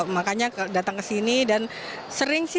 makanya datang ke sini dan sering sih